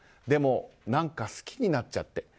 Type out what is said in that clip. でも、何か好きになっちゃって。